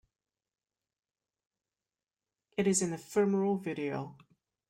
It is an ephemeral video.